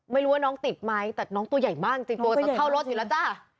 ไม่รู้ว่าน้องติดไหมแต่น้องตัวใหญ่มากจริงตัวจะเข้ารถอยู่แล้วจ้ะ